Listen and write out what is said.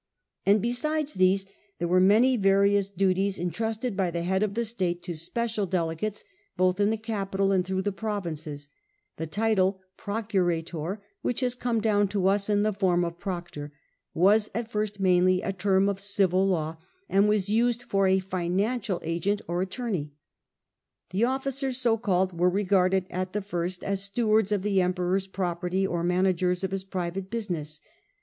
And besides these, there were many various duties entrusted by the head of the state to special delegates, both in the capital and through the provinces. The title prociira p^ocura tor^ which has come down to us in the form tores, of ' proctor,' was at first mainly a term of civil law, and was used for a financial agent or attorney. The officers so called were regarded at the first as stewards of the Emperor's property or managers of his private business.